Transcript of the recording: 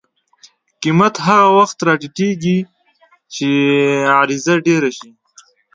قیمت هغه وخت راټیټي چې عرضه ډېره شي.